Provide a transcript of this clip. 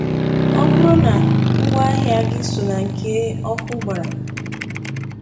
ọ bụrụ na ngwaahịa gị so ná nke ọkụ gbara